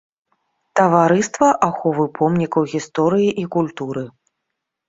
Таварыства аховы помнікаў гісторыі і культуры.